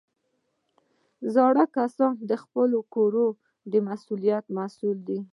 زاړه کسان د خپلو کورو د ساتنې مسؤل دي